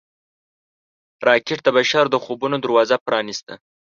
راکټ د بشر د خوبونو دروازه پرانیسته